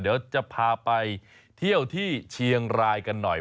เดี๋ยวจะพาไปเที่ยวที่เชียงรายกันหน่อย